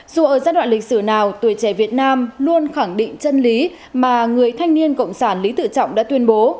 dù ở giai đoạn lịch sử nào tuổi trẻ việt nam luôn khẳng định chân lý mà người thanh niên cộng sản lý tự trọng đã tuyên bố